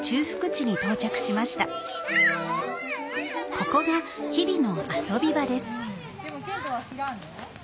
ここが日々の遊び場です。